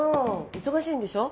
忙しいんでしょ？